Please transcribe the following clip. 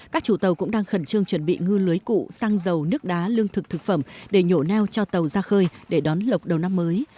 các chủ tàu cũng đang khẩn trương chuẩn bị ngư lưới cụ xăng dầu nước đá lương thực thực phẩm để nhổ neo cho tàu ra khơi để đón lọc đầu năm mới